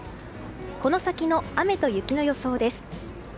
この先の雨と雪の予想です。